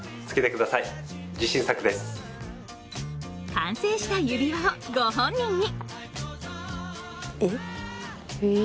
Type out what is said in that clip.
完成した指輪を、ご本人に。